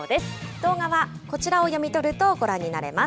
動画はこちらを読み取るとご覧になれます。